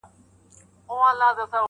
دا وزن دروند اُمي مُلا مات کړي,